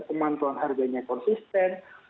pemantauan harganya konsisten